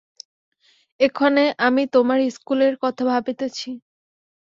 এক্ষণে আমি তোমার ইস্কুলের কথা ভাবিতেছি।